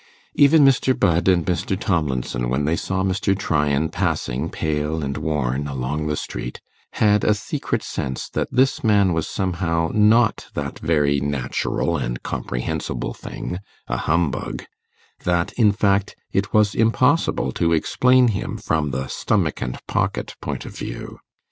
Even Mr. Budd and Mr. Tomlinson, when they saw Mr. Tryan passing pale and worn along the street, had a secret sense that this man was somehow not that very natural and comprehensible thing, a humbug that, in fact, it was impossible to explain him from the stomach and pocket point of view.